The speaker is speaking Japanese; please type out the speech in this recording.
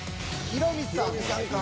ヒロミさんか。